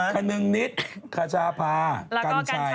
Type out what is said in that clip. คณึงนิษฐ์คชาพากัญชัย